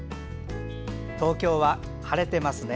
東京は晴れていますね。